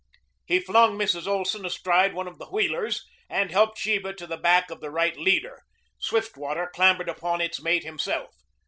He flung Mrs. Olson astride one of the wheelers and helped Sheba to the back of the right leader. Swiftwater clambered upon its mate himself.